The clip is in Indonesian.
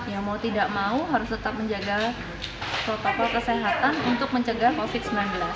ya mau tidak mau harus tetap menjaga protokol kesehatan untuk mencegah covid sembilan belas